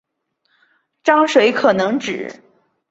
章水可能指